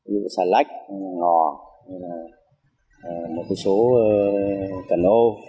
như xà lách ngò một số cần ô